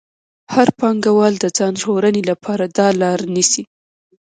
هر پانګوال د ځان ژغورنې لپاره دا لار نیسي